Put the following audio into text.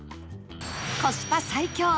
コスパ最強！